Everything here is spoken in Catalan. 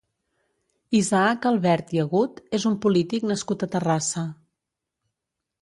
Isaac Albert i Agut és un polític nascut a Terrassa.